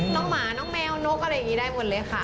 หมาน้องแมวนกอะไรอย่างนี้ได้หมดเลยค่ะ